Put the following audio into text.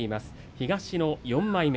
東の４枚目